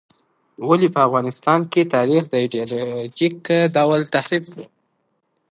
ولې په افغانستان کي تاریخ په ایډیالوژیک ډول تحریف سو؟